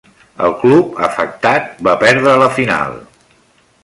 El club, afectat va perdre la final.